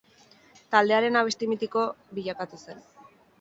Taldearen abesti mitiko bilakatu zen.